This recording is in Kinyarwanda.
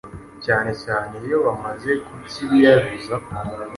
cyanecyane iyo bamaze kubyiyahuza.